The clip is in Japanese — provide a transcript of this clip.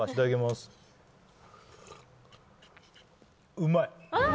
うまい！